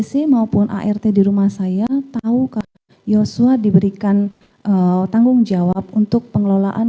istri maupun art di rumah saya tahu yosua diberikan tanggung jawab untuk pengelolaan